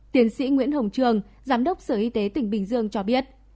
tiến sĩ nguyễn hồng trường giám đốc sở y tế tỉnh bình dương cho biết